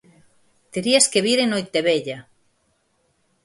"Terías que vir en Noitevella".